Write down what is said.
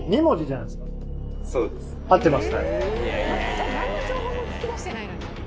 「なんの情報も聞き出してないのに」